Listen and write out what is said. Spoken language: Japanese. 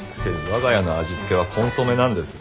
我が家の味つけはコンソメなんです。